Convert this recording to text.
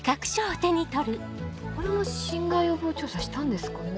これも侵害予防調査したんですかね？